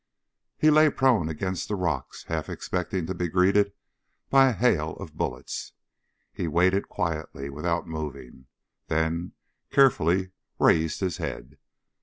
He lay prone against the rocks, half expecting to be greeted by a hail of bullets. He waited quietly, without moving, then carefully raised his head.